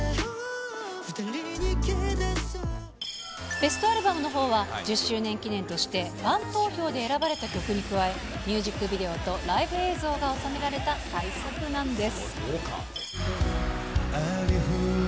ベストアルバムのほうは、１０周年記念として、ファン投票で選ばれた曲に加え、ミュージックビデオとライブ映像が収められた大作なんです。